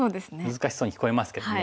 難しそうに聞こえますけどね。